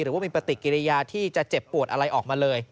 หรือว่ามีปฏิกิริยาที่จะเจ็บปวดอะไรออกมาเลย